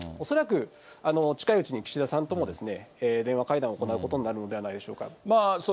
恐らく近いうちに岸田さんとも、電話会談を行うことになるのではないでしょうか。